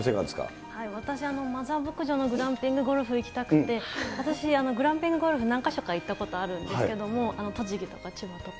私、マザー牧場のグランピングゴルフ、行きたくて、私、グランピングゴルフ何か所か行ったことあるんですけれども、栃木とか千葉とか。